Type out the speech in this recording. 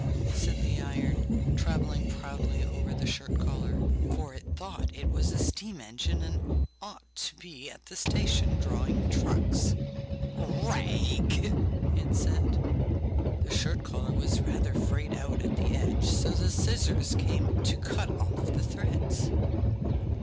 said the iron, travelling proudly over the shirt collar, for it thought it was a steam engine and ought to be at the station drawing trucks. 'Rag!' it said. The shirt collar was rather frayed out at the edge, so the scissors came to cut off the threads.